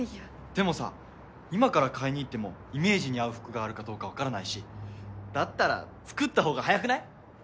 でもさ今から買いに行ってもイメージに合う服があるかどうか分からないしだったら作った方が早くない？